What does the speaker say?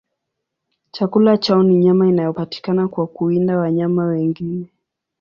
Chakula chao ni nyama inayopatikana kwa kuwinda wanyama wengine.